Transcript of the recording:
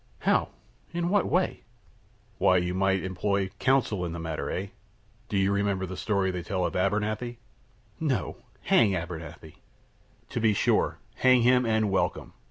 "How? in what way?" "Why" puff, puff "you might" puff, puff "employ counsel in the matter, eh" puff, puff, puff. "Do you remember the story they tell of Abernethy?" "No; hang Abernethy!" "To be sure! Hang him and welcome.